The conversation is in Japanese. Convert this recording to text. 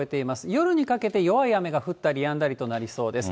夜にかけて弱い雨が降ったりやんだりとなりそうです。